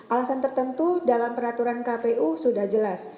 alasan tertentu dalam peraturan kpu sudah jelas